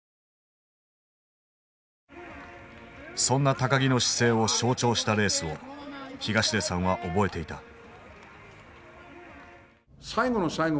そんな木の姿勢を象徴したレースを東出さんは覚えていた。